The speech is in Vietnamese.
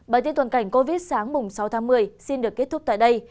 bản tin tuần cảnh covid sáng mùng sáu tháng một mươi xin được kết thúc tại đây